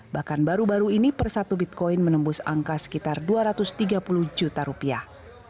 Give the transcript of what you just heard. bahkan baru baru ini per satu bitcoin menembus angka sekitar dua ratus tiga puluh juta rupiah